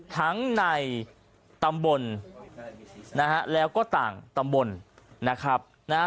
ทั้งในตำบลนะฮะแล้วก็ต่างตำบลนะครับนะฮะ